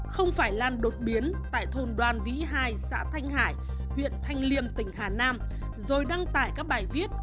không phải lan đột biến tại thôn đoan vĩ hai xã thanh hải huyện thanh liêm tỉnh hà nam rồi đăng tải các bài viết